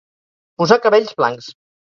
Posar cabells blancs.